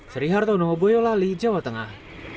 sri hartono boyolali jawa tengah